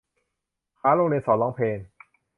หาโรงเรียนสอนร้องเพลง